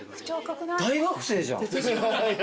大学生じゃん。